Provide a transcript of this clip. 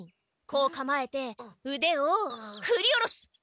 こうかまえてうでをふり下ろす！